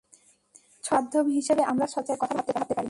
স্বচ্ছ মাধ্যম হিসেবে আমরা স্বচ্ছ কাচের কথা ভাবতে পারি।